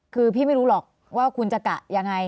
คือพี่ไม่รู้หรอกว่าคุณจะกะยังไง